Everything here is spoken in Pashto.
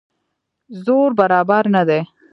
زور برابر نه دی.